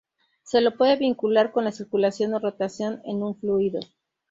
Se lo puede vincular con la "circulación" o "rotación" en un fluido.